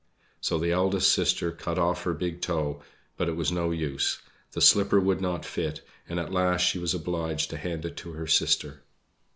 So the eldest sister cut off her big toe, but it was no use, the slipper would not fit, and at last she was obliged to hand it to her sister.